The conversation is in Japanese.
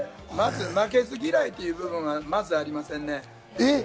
負けず嫌いという部分はありませんね。